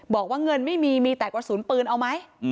บอกว่าเงินไม่มีมีแต่กระสุนปืนเอาไหม